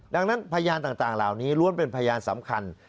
ดังนั้นพยานต่างเหล่านี้ล้วนเป็นพยานสำคัญ